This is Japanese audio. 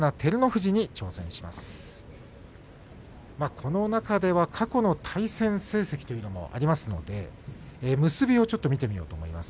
この中では過去の対戦成績というのもありますので結びをちょっと見てみます。